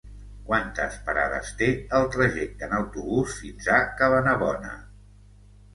Quantes parades té el trajecte en autobús fins a Cabanabona?